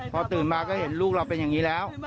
พอตื่นมาก็เห็นลูกเราเป็นอย่างนี้แล้ว